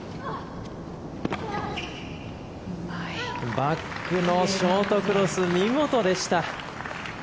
バックのショートクロス見事でした。